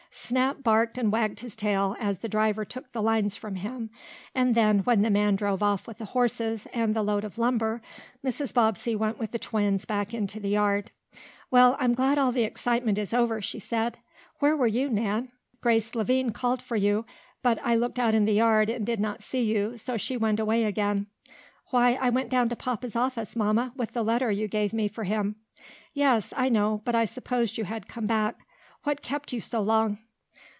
Snap barked and wagged his tail, as the driver took the lines from him, and then, when the man drove off with the horses and the load of lumber, Mrs. Bobbsey went with the twins back into the yard. "Well, I'm glad all the excitement is over," she said. "Where were you, Nan? Grace Lavine called for you, but I looked out in the yard and did not see you, so she went away again." "Why, I went down to papa's office, Mamma, with that letter you gave me for him." "Yes, I know, but I supposed you had come back. What kept you so long?"